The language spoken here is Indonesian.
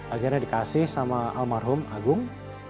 akhirnya dikasih sama almarhum agung